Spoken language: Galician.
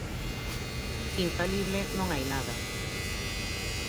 Infalible non hai nada.